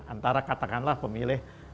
antara katakanlah pemilih